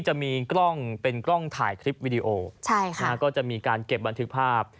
จะมีกล้องเป็นกล้องถ่ายคลิปวิดีโอใช่ค่ะก็จะมีการเก็บบันทึกภาพ